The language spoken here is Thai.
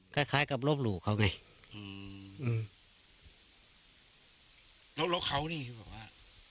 คล้ายคล้ายกับลบหลู่เขาไงอือแล้วเขานี่บอกว่า